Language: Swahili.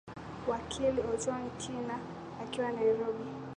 wakili ojwang kina akiwa nairobi